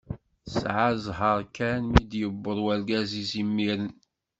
Tesεa ẓẓher kan mi d-yewweḍ urgaz-is imir-en.